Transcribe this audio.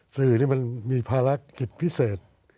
สื่อนี่มันมีภารกิจพิเศษ